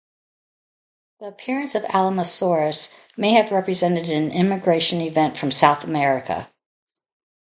The appearance of "Alamosaurus" may have represented an immigration event from South America.